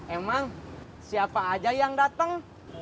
emang siapa aja yang datang